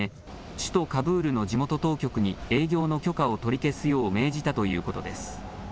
首都カブールの地元当局に営業の許可を取り消すよう命じたということです。